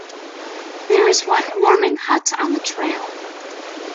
There is one warming hut on the trail.